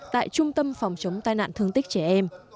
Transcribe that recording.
tại trung tâm phòng chống tai nạn thương tích trẻ em